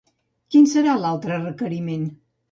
Quin serà l'altre requeriment?